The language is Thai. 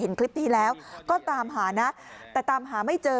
เห็นคลิปนี้แล้วก็ตามหานะแต่ตามหาไม่เจอ